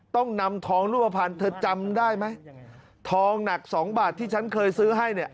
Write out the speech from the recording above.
ต้องนำทองรูปภัณฑ์เธอจำได้ไหมทองหนักสองบาทที่ฉันเคยซื้อให้เนี่ย